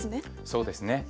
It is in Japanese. そうですね。